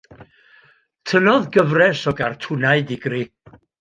Tynnodd gyfres o gartwnau digri.